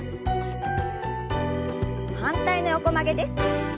反対の横曲げです。